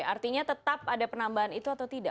artinya tetap ada penambahan itu atau tidak